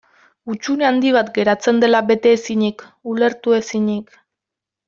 Hutsune handi bat geratzen dela bete ezinik, ulertu ezinik.